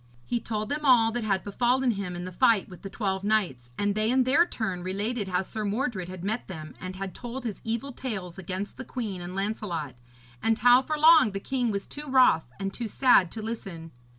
He told them all that had befallen him in the fight with the twelve knights, and they in their turn related how Sir Mordred had met them and had told his evil tales against the queen and Lancelot, and how for long the king was too wroth and too sad to listen.